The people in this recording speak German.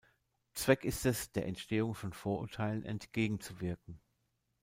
Zweck ist es, der Entstehung von Vorurteilen entgegenzuwirken.